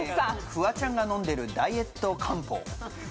フワちゃんが飲んでるダイエット漢方。